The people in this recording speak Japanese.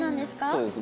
そうです。